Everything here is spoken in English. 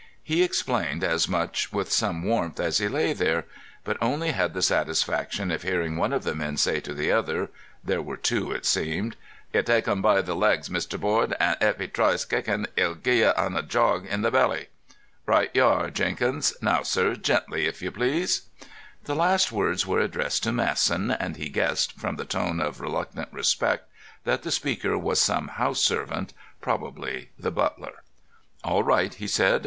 He explained as much with some warmth as he lay there, but only had the satisfaction of hearing one of the men say to the other—there were two, it seemed: "You tak' un by the lags, Mr. Board, and ef 'e tries kicken', Ah'll gi'e un a jog in the belly." "Right y'are, Jenkins.... Now, sir, gently, if you please." The last words were addressed to Masson, and he guessed, from the tone of reluctant respect, that the speaker was some house servant. Probably the butler. "All right," he said.